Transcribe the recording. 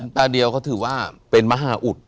กะลาตาเดียวก็ถือว่าเป็นมหาอุทธิ์